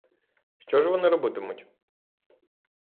Що ж вони робитимуть?